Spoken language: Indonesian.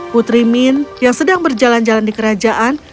putri min yang sedang berjalan jalan di kerajaan